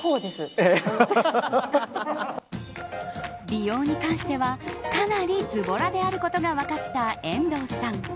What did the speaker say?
美容に関してはかなりずぼらであることが分かった遠藤さん。